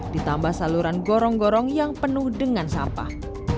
ditambah saluran gorong gorong yang penuh dengan sampah